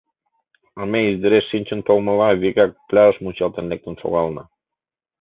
А ме, издереш шинчын толмыла, вигак пляжыш мунчалтен лектын шогална.